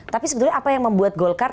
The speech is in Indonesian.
tapi sebetulnya apa yang membuat golkar